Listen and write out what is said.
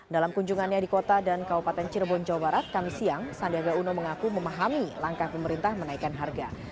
dalam kunjungannya di kota dan kabupaten cirebon jawa barat kami siang sandiaga uno mengaku memahami langkah pemerintah menaikkan harga